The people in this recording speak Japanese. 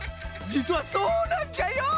じつはそうなんじゃよ！